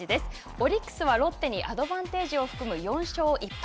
オリックスはロッテにアドバンテージを含む４勝１敗。